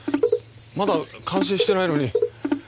まだ完成してないのに。